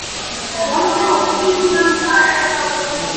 এই প্রেমের গল্প কি সবসময়ই ভালোভাবে শেষ হতে হবে?